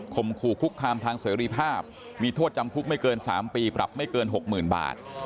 ขู่คุกคามทางเสรีภาพมีโทษจำคุกไม่เกิน๓ปีปรับไม่เกิน๖๐๐๐บาท